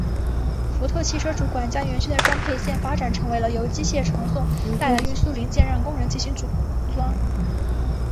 福特汽车主管将原先的装配线发展成为了由机械传送带来运输零件让工人进行组装。